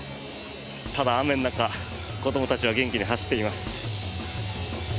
ただ、雨の中、子どもたちは元気に走っています。